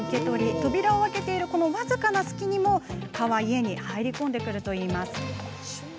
扉を開けているこの僅かな隙にも蚊は家に入り込んでくるといいます。